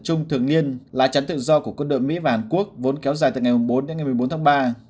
chung thường niên là tránh tự do của quân đội mỹ và hàn quốc vốn kéo dài từ ngày bốn đến một mươi bốn tháng ba